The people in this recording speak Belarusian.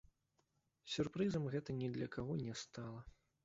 Сюрпрызам гэта ні для каго не стала.